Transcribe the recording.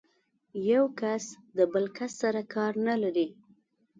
یو کس د بل کس سره کار نه لري.